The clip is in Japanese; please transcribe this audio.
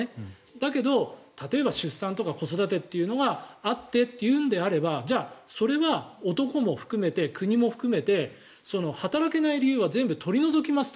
だけど、例えば出産とか子育てというのがあってというのがあるならじゃあ、それは男も含めて国も含めて働けない理由は全部取り除きますと。